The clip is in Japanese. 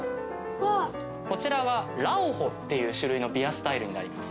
こちらラオホという種類のビアスタイルになります。